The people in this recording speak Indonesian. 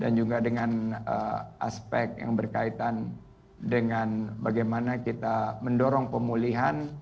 dan juga dengan aspek kesehatan dan juga dengan aspek yang berkaitan dengan bagaimana kita mendorong pemulihan